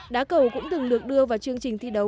đá cầu cũng từng được đưa vào chương trình thi đấu